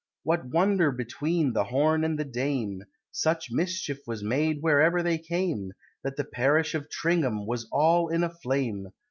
What wonder between the Horn and the Dame, Such mischief was made wherever they came, That the parish of Tringham was all in a flame!